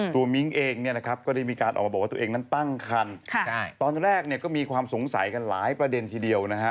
มิ้งเองเนี่ยนะครับก็ได้มีการออกมาบอกว่าตัวเองนั้นตั้งคันตอนแรกเนี่ยก็มีความสงสัยกันหลายประเด็นทีเดียวนะฮะ